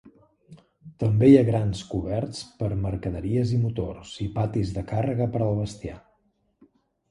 També hi ha grans coberts per mercaderies i motors, i patis de càrrega per al bestiar.